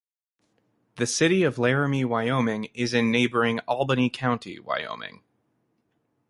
The city of Laramie, Wyoming, is in neighboring Albany County, Wyoming.